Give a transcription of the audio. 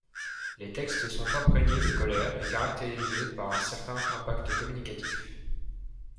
Les textes sont imprégnés de colère et caractérisé par un certain impact communicatif.